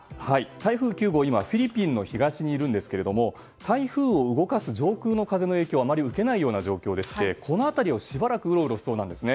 台風９号は今フィリピンの東にいるんですが台風を動かす上空の風の影響をあまり受けないような状況でこの辺りをしばらくうろうろしそうなんです。